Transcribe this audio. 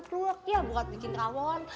pluk ya buat bikin rawon